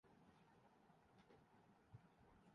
یہ کہہ کے ہنس پڑے۔